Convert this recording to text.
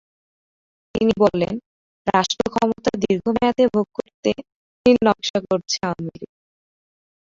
তিনি বলেন, রাষ্ট্রক্ষমতা দীর্ঘ মেয়াদে ভোগ করতে নীলনকশা করছে আওয়ামী লীগ।